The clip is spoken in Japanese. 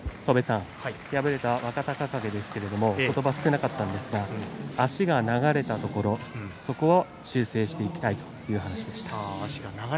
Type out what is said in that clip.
敗れた若隆景ですけれども言葉少なかったんですが足が流れたところそこを修正していきたい